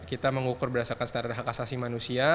kita mengukur berdasarkan standar hak asasi manusia